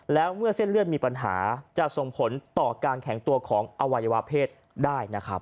แล้วเมื่อเส้นเลือดมีปัญหาจะส่งผลต่อการแข็งตัวของอวัยวะเพศได้นะครับ